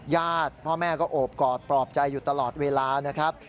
ญาติพ่อแม่ก็โอบกอดปลอบใจอยู่ตลอดเวลานะครับ